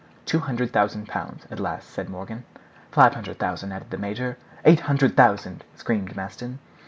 "Two hundred thousand pounds." at last said Morgan. "Five hundred thousand," added the major. "Eight hundred thousand," screamed Maston.